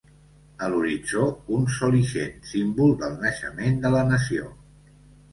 A l'horitzó, un sol ixent, símbol del naixement de la nació.